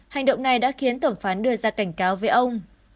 hành động này đã khiến thẩm phán đưa ra cảnh cáo với ông